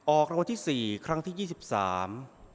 ออกรางวัลที่สี่ครั้งที่ยี่สิบสาม